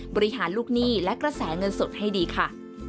บริหารลูกหนี้และกระแสเงินสดให้ดีค่ะ